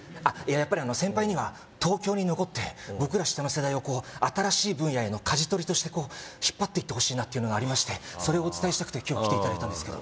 やっぱり先輩には東京に残って僕ら下の世代をこう新しい分野への舵取りとしてこう引っ張っていってほしいなっていうのがありましてそれをお伝えしたくて今日来ていただいたんですけど